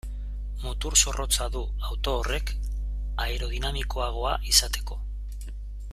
Mutur zorrotza du auto horrek aerodinamikoagoa izateko.